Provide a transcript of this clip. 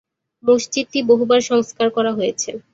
মসজিদটি বহুবার সংস্কার করা হয়েছে।